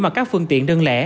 mà các phương tiện đơn lẻ